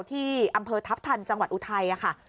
ที่อำเภอทัพทันจังหวัดอุทัยค่ะ